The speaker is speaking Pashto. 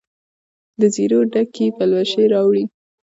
دزیرو ډکي پلوشې راوړي